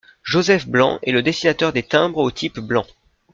Joseph Blanc est le dessinateur des timbres au type Blanc.